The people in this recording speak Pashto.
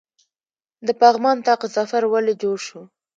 د پغمان طاق ظفر ولې جوړ شو؟